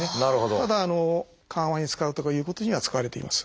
ただ緩和に使うとかいうことには使われています。